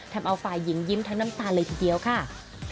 ทำเอาฝ่ายหญิงยิ้มทั้งน้ำตาเลยทีเดียวค่ะ